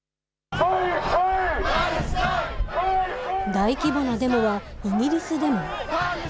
大規模なデモは、イギリスでも。